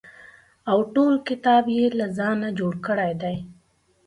او ټول کتاب یې له ځانه جوړ کړی دی.